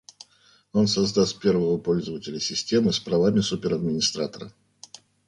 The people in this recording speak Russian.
Он создаст первого пользователя системы с правами супер-администратора